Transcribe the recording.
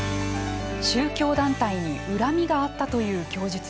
宗教団体に恨みがあったという供述。